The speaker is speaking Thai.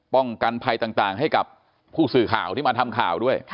ป้องกันภัยต่างให้กับผู้สื่อข่าวที่มาทำข่าวด้วย